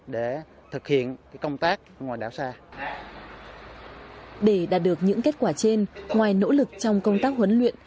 để đạt được những kết quả trên ngoài nỗ lực trong công tác huấn luyện